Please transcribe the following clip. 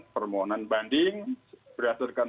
permohonan banding berdasarkan